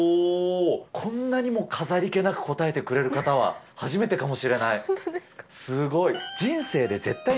こんなにも飾り気なく答えてくれる方は、初めてかもしれない。